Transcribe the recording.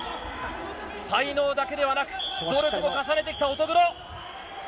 才能だけではなく、努力を重ねてきた乙黒。